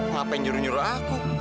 ngapain nyuruh nyuruh aku